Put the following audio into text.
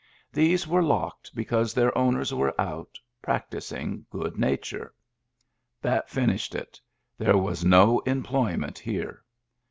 These were locked because their owners were out, practising good nature. That finished it; there was no employment here.